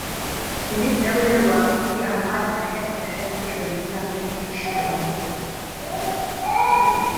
Minisitiri w’intebe wa Misiri Ahmed Maher Pasha yiciwe mu nama y’inteko ishingamategeko